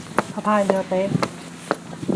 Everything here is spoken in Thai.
เขาพายเรือเป็น